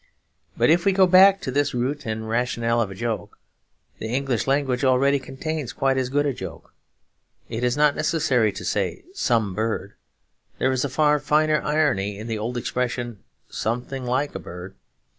But if we go back to this root and rationale of a joke, the English language already contains quite as good a joke. It is not necessary to say, 'Some bird'; there is a far finer irony in the old expression, 'Something like a bird.'